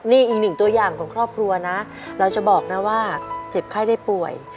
นี่อีกหนึ่งตัวอย่างของครอบครัวนะเราจะบอกนะว่าเจ็บไข้ได้ป่วย